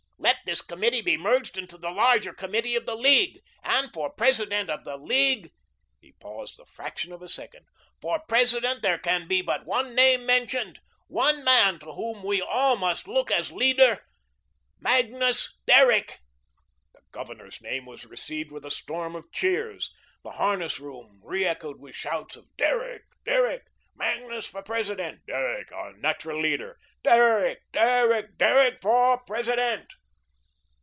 Let this committee be merged into the larger committee of the League, and for President of the League" he paused the fraction of a second "for President there can be but one name mentioned, one man to whom we all must look as leader Magnus Derrick." The Governor's name was received with a storm of cheers. The harness room reechoed with shouts of: "Derrick! Derrick!" "Magnus for President!" "Derrick, our natural leader." "Derrick, Derrick, Derrick for President."